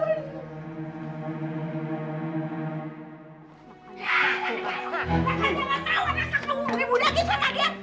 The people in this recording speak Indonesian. ini budaknya salah dia